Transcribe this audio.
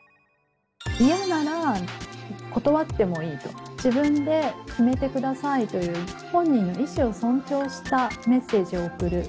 嫌なら断ってもいいと自分で決めてくださいという本人の意思を尊重したメッセージを送る。